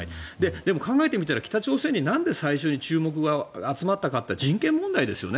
でも考えてみたら北朝鮮になんで最初に注目が集まったかといったら人権問題ですよね。